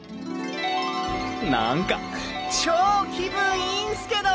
何か超気分いいんすけど！